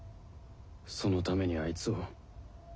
そのためにあいつを。